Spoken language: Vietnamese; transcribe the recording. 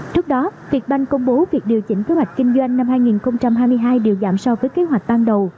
trước đó việt banh công bố việc điều chỉnh kế hoạch kinh doanh năm hai nghìn hai mươi hai đều giảm so với kế hoạch ban đầu